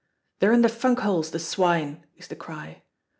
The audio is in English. "They're in their funk holes, the swine!" is the cry.